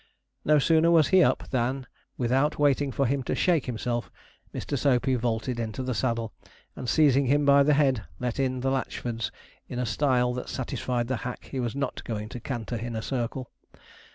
No sooner was he up, than, without waiting for him to shake himself, Mr. Soapey vaulted into the saddle, and seizing him by the head, let in the Latchfords in a style that satisfied the hack he was not going to canter in a circle.